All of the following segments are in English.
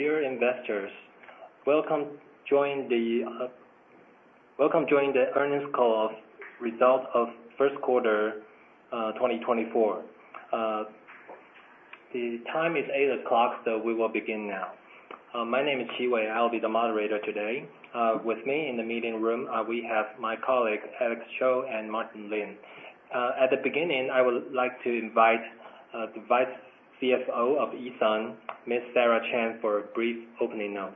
Dear investors, welcome to the earnings call result of first quarter 2024. The time is 8:00, we will begin now. My name is Qi Wei, I will be the moderator today. With me in the meeting room, we have my colleague, Alex Cho and Martin Lin. At the beginning, I would like to invite the Vice CFO of E.SUN, Miss Sarah Chen, for a brief opening note.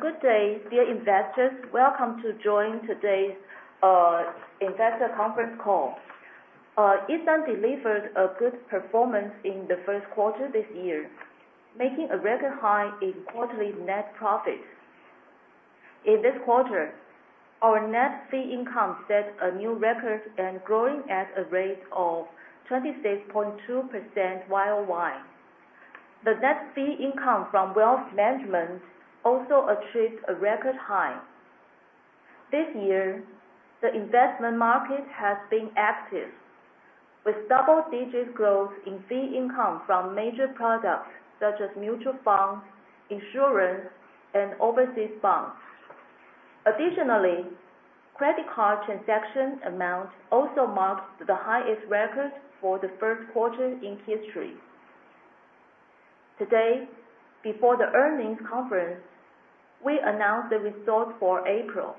Good day, dear investors. Welcome to join today's investor conference call. E.SUN delivered a good performance in the first quarter this year, making a record high in quarterly net profits. In this quarter, our net fee income set a new record and growing at a rate of 26.2% YoY. The net fee income from wealth management also achieved a record high. This year, the investment market has been active, with double digits growth in fee income from major products such as mutual funds, insurance, and overseas bonds. Additionally, credit card transaction amounts also marked the highest records for the first quarter in history. Today, before the earnings conference, we announced the results for April.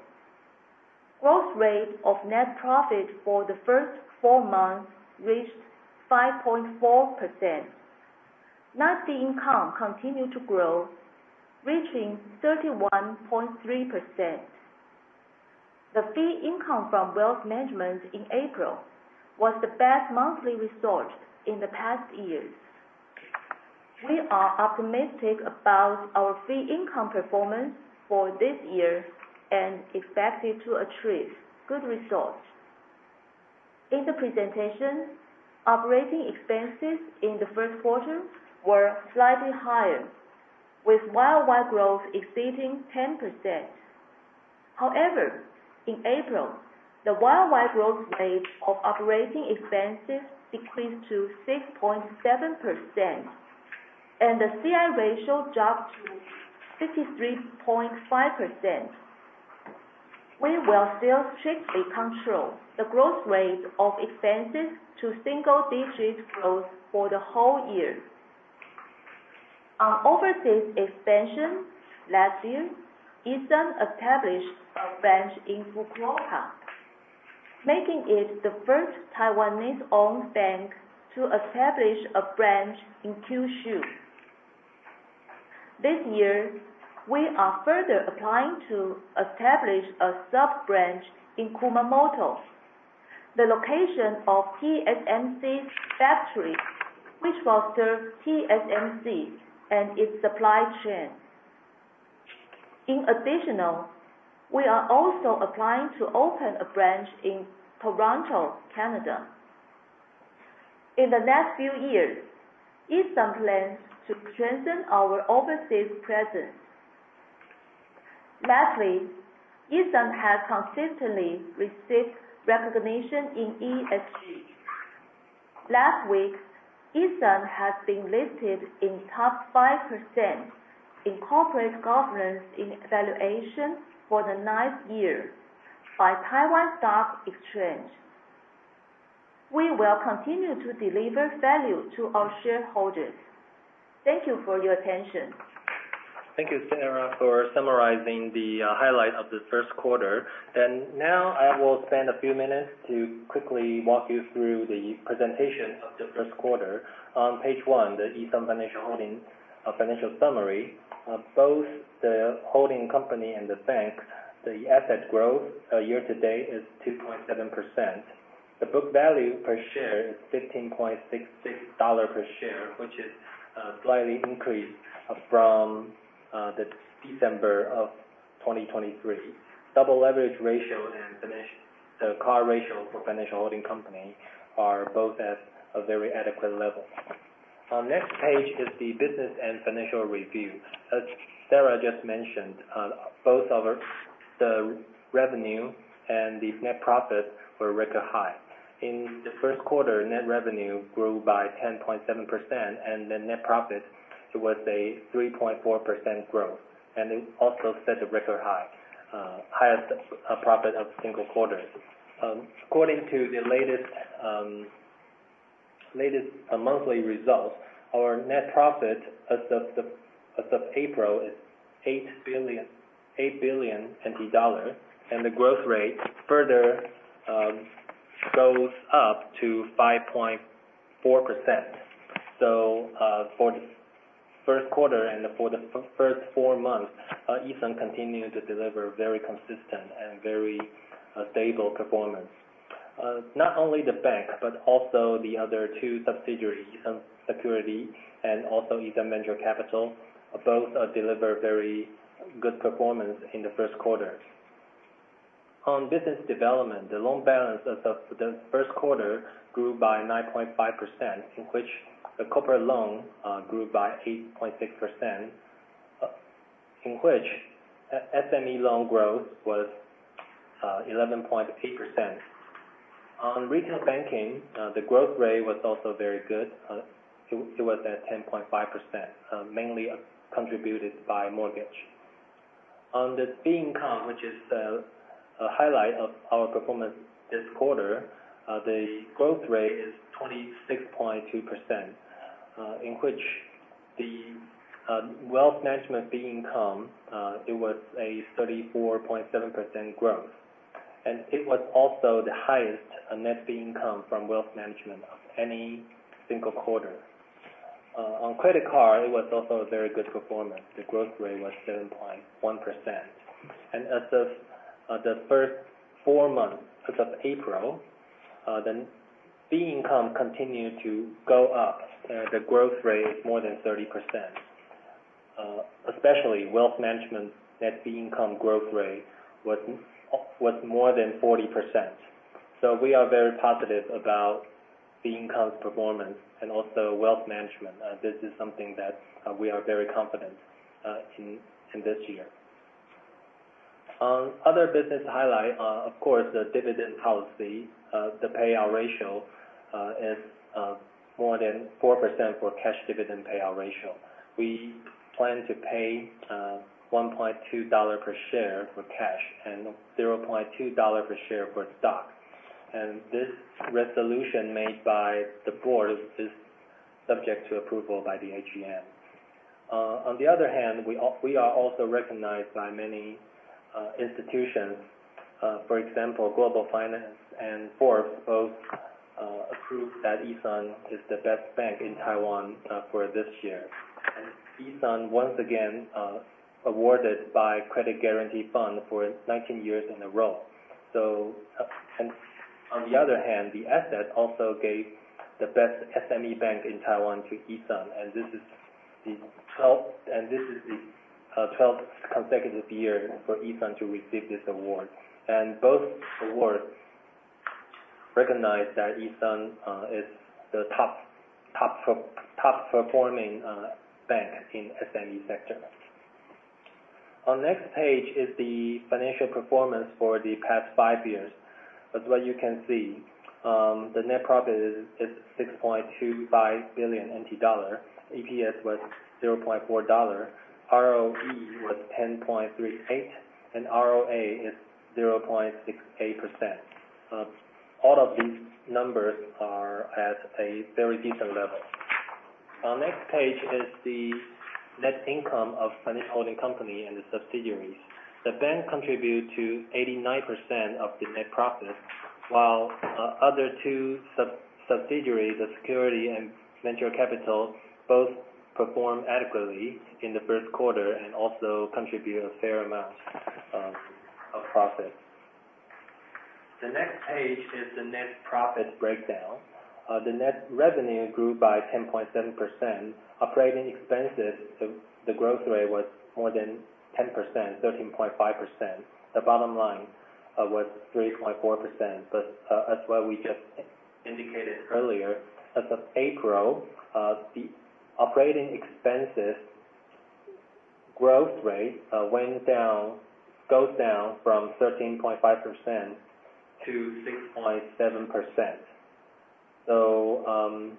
Growth rate of net profit for the first four months reached 5.4%. Net fee income continued to grow, reaching 31.3%. The fee income from wealth management in April was the best monthly result in the past years. We are optimistic about our fee income performance for this year, and expect it to achieve good results. In the presentation, operating expenses in the first quarter were slightly higher, with YoY growth exceeding 10%. However, in April, the YoY growth rate of operating expenses decreased to 6.7%, and the CI ratio dropped to 63.5%. We will still strictly control the growth rate of expenses to single digits growth for the whole year. On overseas expansion last year, E.SUN established a branch in Fukuoka, making it the first Taiwanese-owned bank to establish a branch in Kyushu. This year, we are further applying to establish a sub-branch in Kumamoto, the location of TSMC's factory, which will serve TSMC and its supply chain. In additional, we are also applying to open a branch in Toronto, Canada. In the next few years, E.SUN plans to strengthen our overseas presence. Lastly, E.SUN has consistently received recognition in ESG. Last week, E.SUN has been listed in top 5% in corporate governance evaluation for the ninth year by Taiwan Stock Exchange. We will continue to deliver value to our shareholders. Thank you for your attention. Thank you, Sarah, for summarizing the highlight of the first quarter. Now I will spend a few minutes to quickly walk you through the presentation of the first quarter. On page one, the E.SUN Financial summary of both the holding company and the bank, the asset growth year-to-date is 2.7%. The book value per share is 15.66 dollar per share, which is slightly increased from December 2023. Double leverage ratio and the CAR ratio for financial holding company are both at a very adequate level. Next page is the business and financial review. As Sarah just mentioned, both the revenue and the net profit were record high. In the first quarter, net revenue grew by 10.7%, and the net profit was a 3.4% growth, and it also set a record high, highest profit of single quarters. According to the latest monthly results, our net profit as of April is 8 billion. The growth rate further goes up to 5.4%. For the first quarter and for the first four months, E.SUN continued to deliver very consistent and very stable performance. Not only the bank, but also the other two subsidiaries of security, and also E.SUN Venture Capital, both deliver very good performance in the first quarter. Business development, the loan balance as of the first quarter grew by 9.5%, in which the corporate loan grew by 8.6%. SME loan growth was 11.8%. Retail banking, the growth rate was also very good. It was at 10.5%, mainly contributed by mortgage. The fee income, which is the highlight of our performance this quarter, the growth rate is 26.2%, in which the wealth management fee income was a 34.7% growth, and it was also the highest net fee income from wealth management of any single quarter. Credit card, it was also a very good performance. The growth rate was 7.1%. As of the first four months as of April, the fee income continued to go up. The growth rate is more than 30%. Especially wealth management net fee income growth rate was more than 40%. We are very positive about fee income performance and also wealth management. This is something that we are very confident in this year. Other business highlight, of course, the dividend policy, the payout ratio is more than 4% for cash dividend payout ratio. We plan to pay 1.2 dollar per share for cash and 0.2 dollar per share for stock. This resolution made by the board is subject to approval by the AGM. The other hand, we are also recognized by many institutions. For example, Global Finance and Forbes both approved that E.SUN is the best bank in Taiwan for this year. E.SUN, once again, awarded by Credit Guarantee Fund for 19 years in a row. The other hand, The Asset also gave the best SME bank in Taiwan to E.SUN, and this is the 12th consecutive year for E.SUN to receive this award. Both awards recognize that E.SUN is the top performing bank in SME sector. Our next page is the financial performance for the past five years, as you can see. The net profit is 6.25 billion NT dollar, EPS was 0.4 dollar, ROE was 10.38%, and ROA is 0.68%. All of these numbers are at a very decent level. Our next page is the net income of financial holding company and the subsidiaries. The bank contribute to 89% of the net profit, while other two subsidiaries of security and E.SUN Venture Capital both perform adequately in the first quarter and also contribute a fair amount of profit. The next page is the net profit breakdown. The net revenue grew by 10.7%. Operating expenses, the growth rate was more than 10%, 13.5%. The bottom line was 3.4%, but as what we just indicated earlier, as of April, the operating expenses growth rate goes down from 13.5% to 6.7%.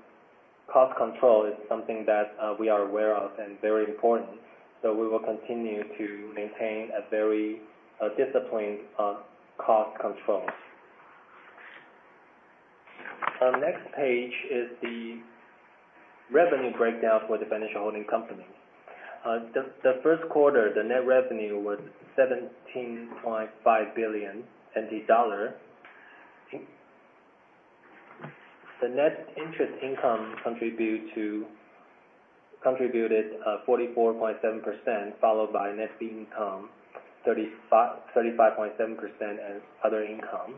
Cost control is something that we are aware of and very important. We will continue to maintain a very disciplined cost control. Our next page is the revenue breakdown for the financial holding company. The first quarter, the net revenue was 17.5 billion NT dollar. The net interest income contributed 44.7%, followed by net fee income, 35.7%, and other income.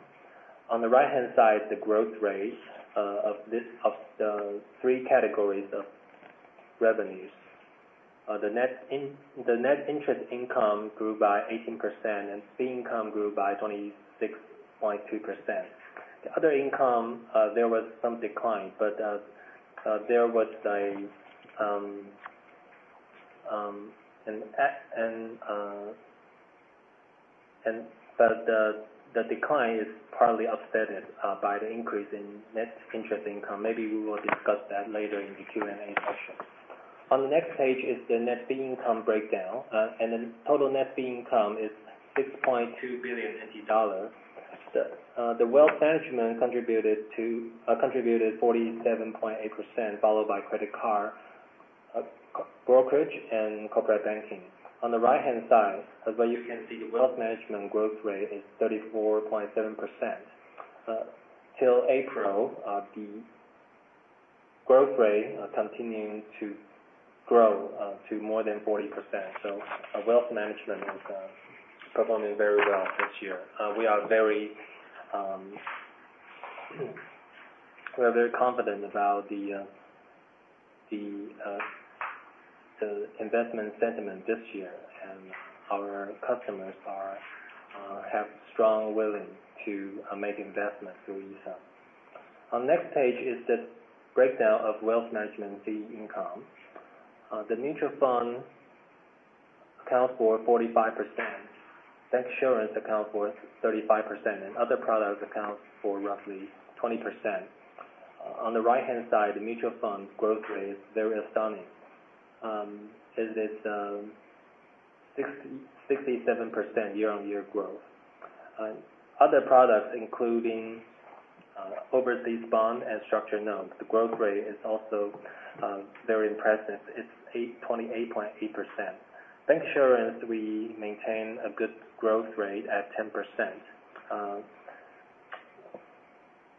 On the right-hand side, the growth rate of the three categories of revenues. The net interest income grew by 18%, and fee income grew by 26.2%. The other income, there was some decline, but the decline is partly offset by the increase in net interest income. Maybe we will discuss that later in the Q&A session. On the next page is the net fee income breakdown, and the total net fee income is 6.2 billion dollars. The wealth management contributed 47.8%, followed by credit card, brokerage, and corporate banking. On the right-hand side, as well you can see, wealth management growth rate is 34.7%. Till April, the growth rate continuing to grow to more than 40%, so wealth management is performing very well this year. We are very confident about the investment sentiment this year, and our customers have strong willing to make investment through E.SUN. On next page is the breakdown of wealth management fee income. The mutual fund accounts for 45%, bancassurance accounts for 35%, and other products account for roughly 20%. On the right-hand side, the mutual funds growth rate, very stunning. Is it 67% year-on-year growth? Other products, including overseas bond and structured notes, the growth rate is also very impressive. It's 28.8%. Bancassurance, we maintain a good growth rate at 10%.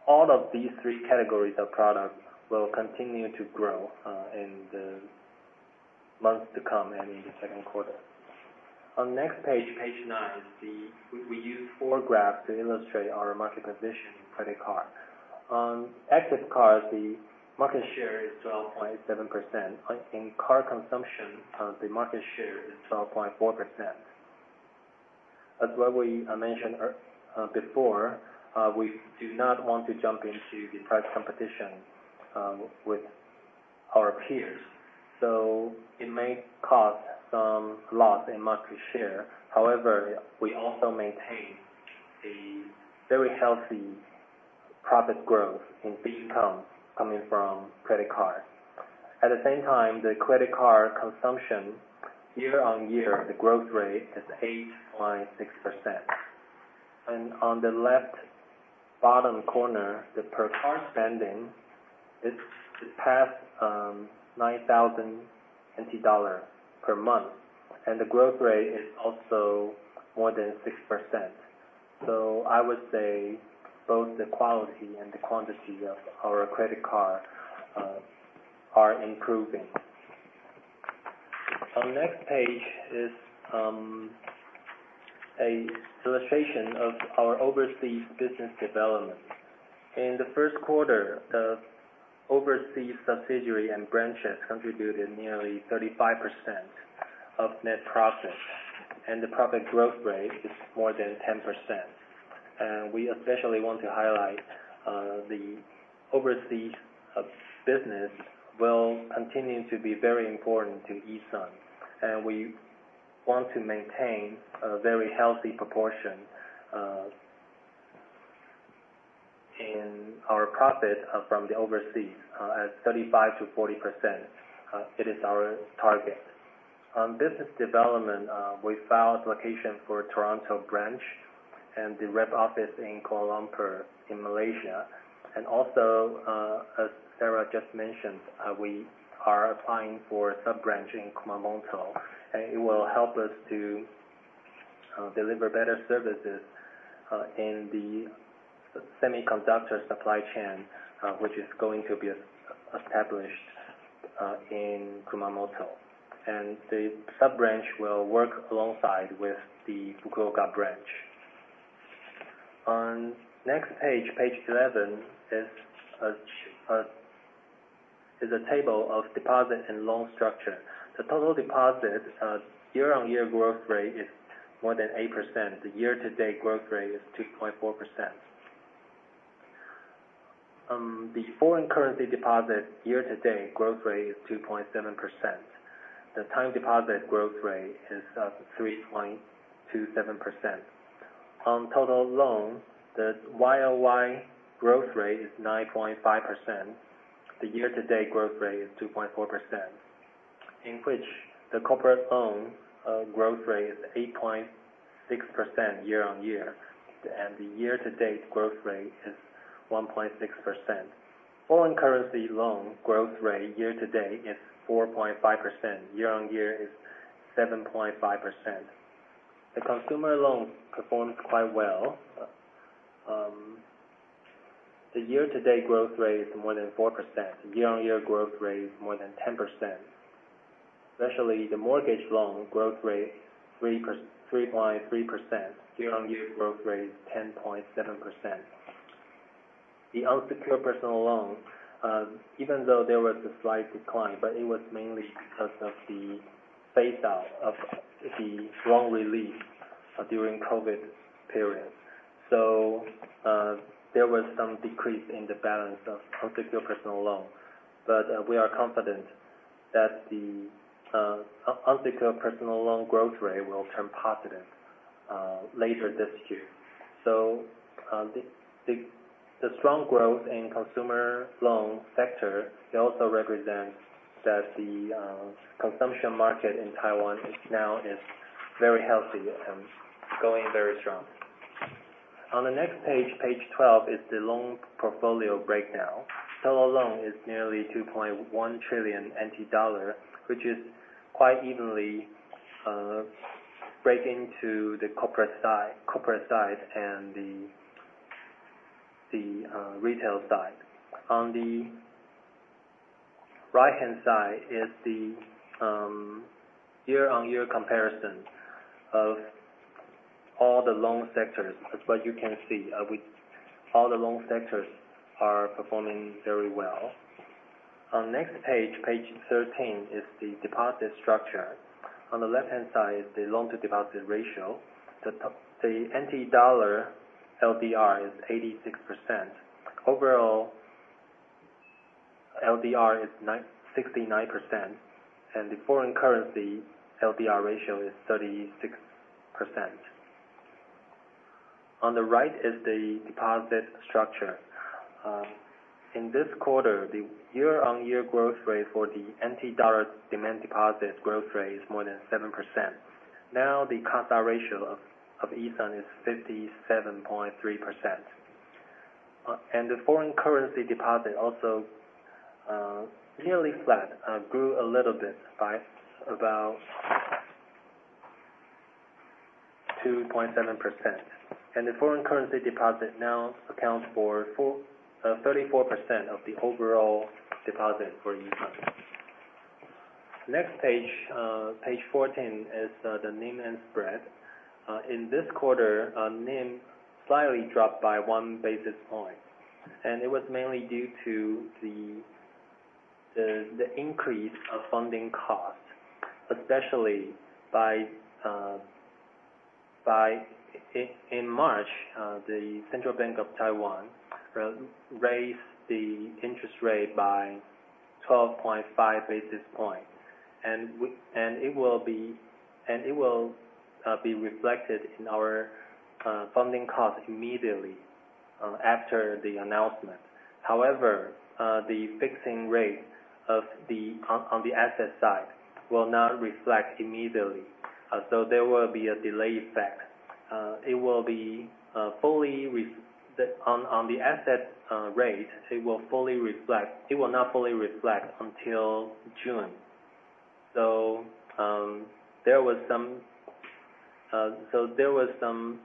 All of these three categories of products will continue to grow in the months to come and in the second quarter. On next page nine, we use four graphs to illustrate our market position in credit card. On active cards, the market share is 12.7%. In card consumption, the market share is 12.4%. As what we mentioned before, we do not want to jump into the price competition with our peers, so it may cause some loss in market share. We also maintain a very healthy profit growth in fee income coming from credit card. At the same time, the credit card consumption year-on-year, the growth rate is 8.6%. On the left bottom corner, the per card spending, it's past 9,000 NT dollar per month, and the growth rate is also more than 6%. I would say both the quality and the quantity of our credit card are improving. On next page is an illustration of our overseas business development. In the first quarter, the overseas subsidiary and branches contributed nearly 35% of net profit, and the profit growth rate is more than 10%. We especially want to highlight the overseas business will continue to be very important to E.SUN, and we want to maintain a very healthy proportion of our profit from the overseas at 35%-40%. It is our target. Business development, we found location for Toronto branch and the rep office in Kuala Lumpur in Malaysia. Also, as Sarah just mentioned, we are applying for a sub-branch in Kumamoto, and it will help us to deliver better services in the semiconductor supply chain, which is going to be established in Kumamoto. The sub-branch will work alongside with the Fukuoka branch. Next page 11, is a table of deposit and loan structure. The total deposit year-on-year growth rate is more than 8%. The year-to-date growth rate is 2.4%. The foreign currency deposit year-to-date growth rate is 2.7%. The time deposit growth rate is 3.27%. Total loans, the YoY growth rate is 9.5%. The year-to-date growth rate is 2.4%, in which the corporate loan growth rate is 8.6% year-on-year, and the year-to-date growth rate is 1.6%. Foreign currency loan growth rate year-to-date is 4.5%, year-on-year is 7.5%. The consumer loan performed quite well. The year-to-date growth rate is more than 4%, year-on-year growth rate is more than 10%. Especially the mortgage loan growth rate, 3.3%, year-on-year growth rate 10.7%. The unsecured personal loan, even though there was a slight decline, it was mainly because of the fade out of the loan relief during COVID period. There was some decrease in the balance of unsecured personal loan. We are confident that the unsecured personal loan growth rate will turn positive later this year. The strong growth in consumer loan sector, it also represents that the consumption market in Taiwan now is very healthy and going very strong. Next page 12, is the loan portfolio breakdown. Total loan is nearly 2.1 trillion NT dollar, which is quite evenly breaking to the corporate side and the retail side. The right-hand side is the year-on-year comparison of all the loan sectors. As what you can see, all the loan sectors are performing very well. Next page 13, is the deposit structure. The left-hand side is the loan-to-deposit ratio. The TWD LDR is 86%. Overall LDR is 69%, and the foreign currency LDR ratio is 36%. The right is the deposit structure. In this quarter, the year-on-year growth rate for the TWD demand deposits growth rate is more than 7%. The CASA ratio of E.SUN is 57.3%. The foreign currency deposit also nearly flat, grew a little bit by about 2.7%. The foreign currency deposit now accounts for 34% of the overall deposit for E.SUN. Next page 14, is the NIM and spread. In this quarter, our NIM slightly dropped by one basis point, it was mainly due to the increase of funding cost, especially in March, the Central Bank of Taiwan raised the interest rate by 12.5 basis points. It will be reflected in our funding cost immediately after the announcement. However, the fixing rate on the asset side will not reflect immediately. There will be a delay effect. The asset rate, it will not fully reflect until June. There was some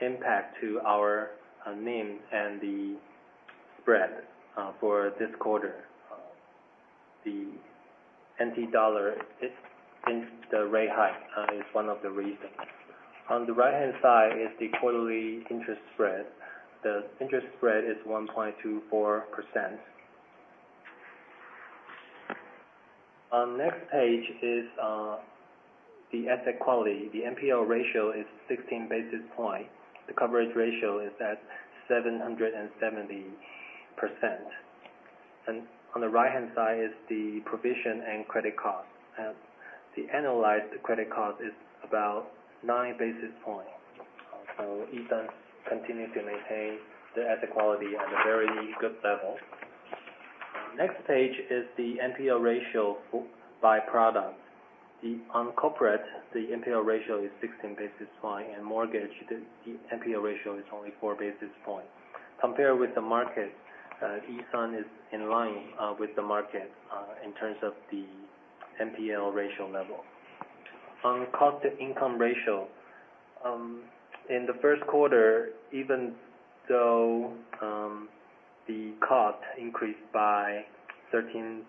impact to our NIM and the spread for this quarter. The TWD, the rate hike is one of the reasons. On the right-hand side is the quarterly interest spread. The interest spread is 1.24%. Next page is the asset quality. The NPL ratio is 16 basis points. The coverage ratio is at 770%. On the right-hand side is the provision and credit cost. The analyzed credit cost is about nine basis points. E.SUN continues to maintain the asset quality at a very good level. Next page is the NPL ratio by product. On corporate, the NPL ratio is 16 basis points, and mortgage, the NPL ratio is only four basis points. Compared with the market, E.SUN is in line with the market in terms of the NPL ratio level. On cost-to-income ratio, in the first quarter, even though the cost increased by 13%,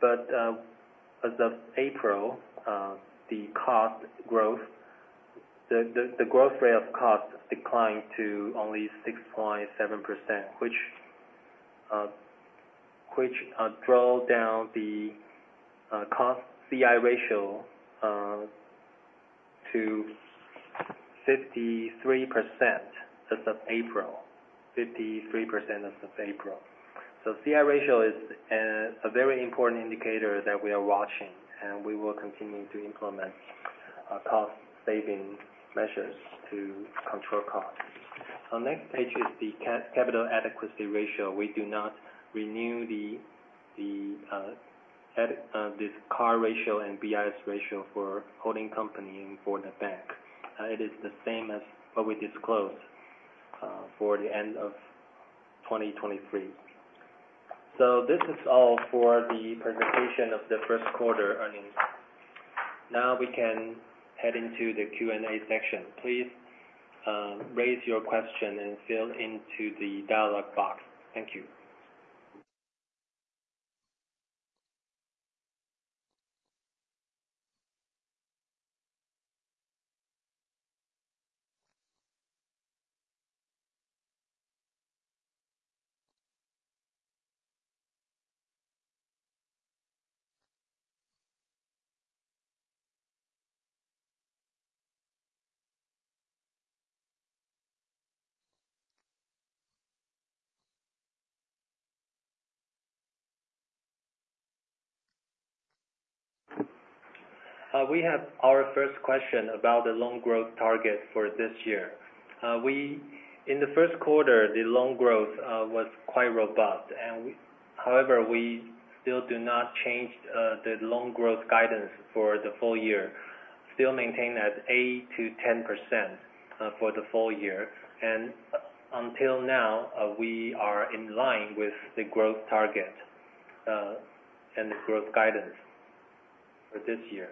but as of April, the growth rate of cost declined to only 6.7%, which drove down the cost CI ratio to 53% as of April. CI ratio is a very important indicator that we are watching, and we will continue to implement cost-saving measures to control costs. Next page is the capital adequacy ratio. We do not renew this CAR ratio and BIS ratio for holding company and for the bank. It is the same as what we disclosed for the end of 2023. This is all for the presentation of the first quarter earnings. Now we can head into the Q&A section. Please raise your question and fill into the dialogue box. Thank you. We have our first question about the loan growth target for this year. In the first quarter, the loan growth was quite robust. However, we still do not change the loan growth guidance for the full year, still maintain that 8%-10% for the full year. Until now, we are in line with the growth target, and the growth guidance for this year.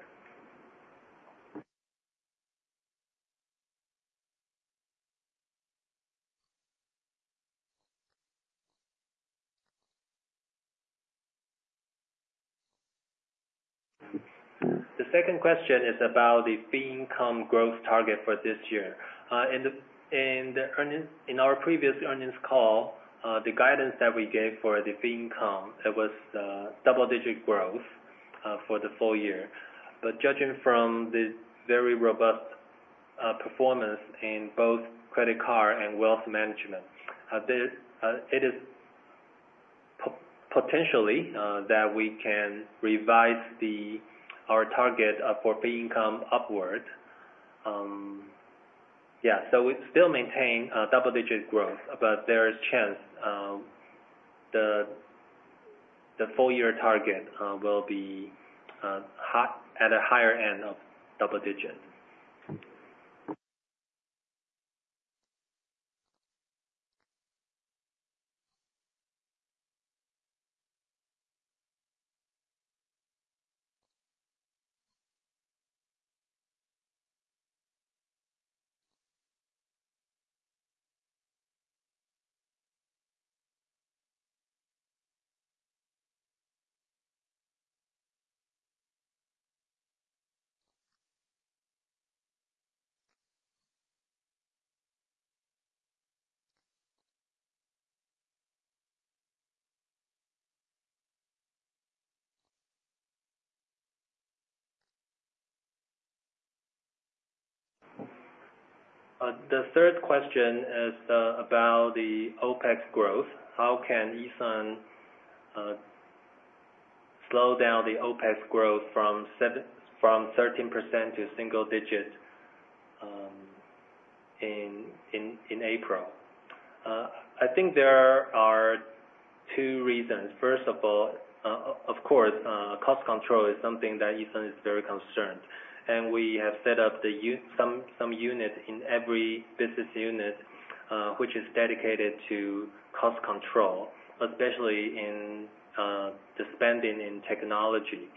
The second question is about the fee income growth target for this year. In our previous earnings call, the guidance that we gave for the fee income, it was double-digit growth for the full year. Judging from the very robust performance in both credit card and wealth management, it is potentially that we can revise our target for fee income upward. Yeah. We still maintain double-digit growth, but there is chance the full-year target will be at a higher end of double digit. The third question is about the OpEx growth. How can E.SUN slow down the OpEx growth from 13% to single digit in April? I think there are two reasons. First of all, of course, cost control is something that E.SUN is very concerned, We have set up some unit in every business unit, which is dedicated to cost control, especially in the spending in technology.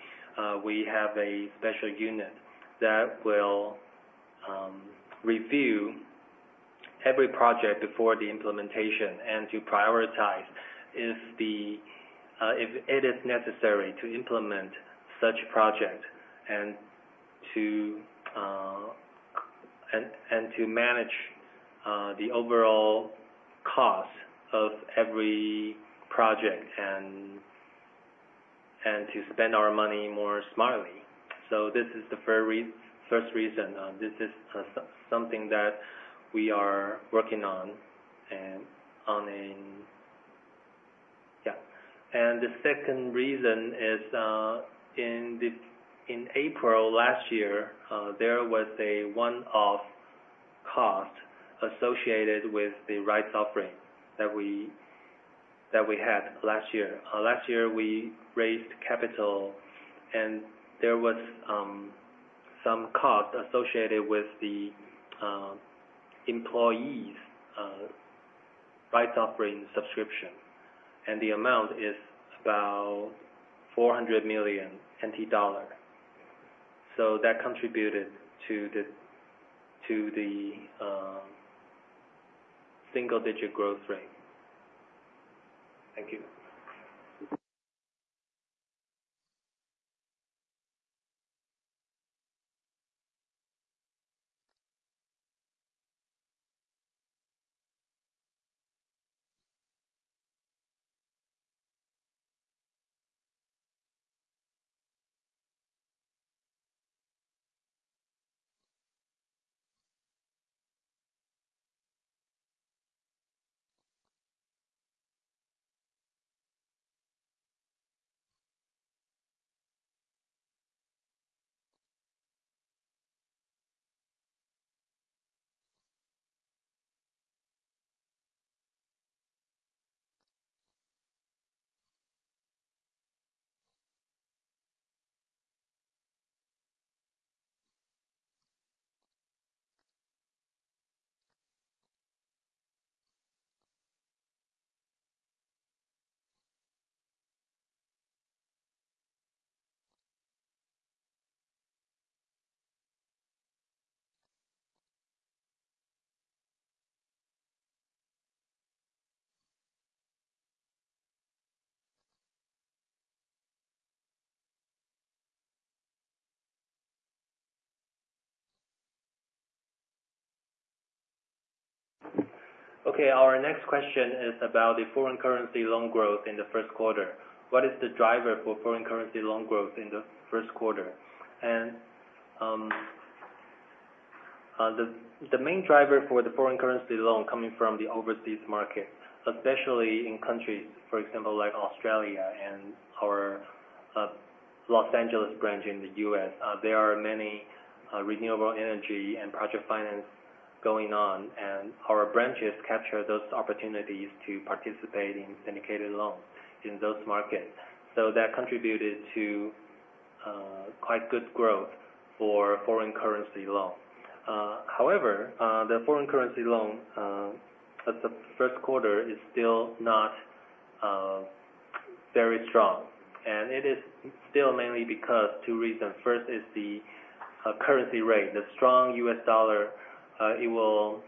We have a special unit that will review every project before the implementation and to prioritize if it is necessary to implement such project, and to manage the overall cost of every project and to spend our money more smartly. This is the very first reason. This is something that we are working on. The second reason is, in April last year, there was a one-off cost associated with the rights offering that we had last year. Last year, we raised capital, there was some cost associated with the employees' rights offering subscription, and the amount is about 400 million NT dollars. That contributed to the single-digit growth rate. Thank you. Okay. Our next question is about the foreign currency loan growth in the first quarter. What is the driver for foreign currency loan growth in the first quarter? The main driver for the foreign currency loan coming from the overseas market, especially in countries, for example, like Australia and our Los Angeles branch in the U.S., there are many renewable energy and project finance going on, and our branches capture those opportunities to participate in syndicated loans in those markets. That contributed to quite good growth for foreign currency loan. However, the foreign currency loan at the first quarter is still not very strong, it is still mainly because of two reasons. First is the currency rate. The strong US dollar, it will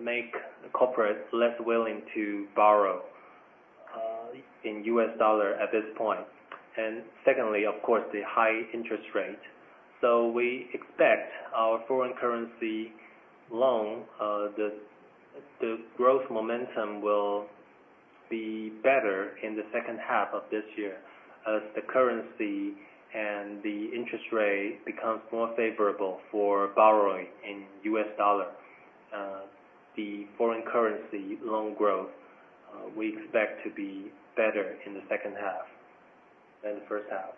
make corporates less willing to borrow. In US dollar at this point. Secondly, of course, the high interest rate. We expect our foreign currency loan, the growth momentum will be better in the second half of this year as the currency and the interest rate becomes more favorable for borrowing in US dollar. The foreign currency loan growth, we expect to be better in the second half than the first half.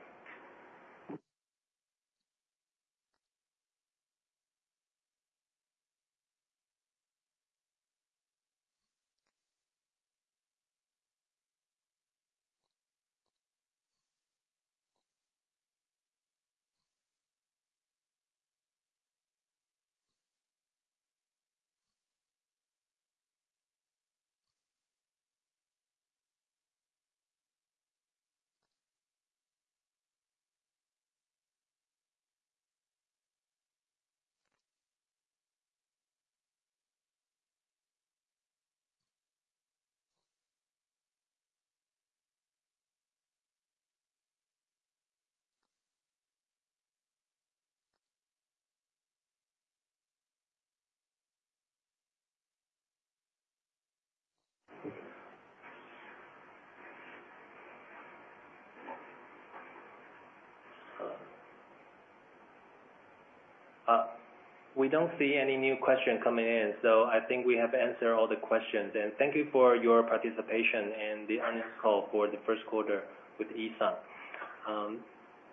We don't see any new question coming in, I think we have answered all the questions. Thank you for your participation in the earnings call for the first quarter with E.SUN.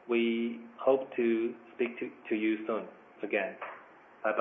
We hope to speak to you soon again.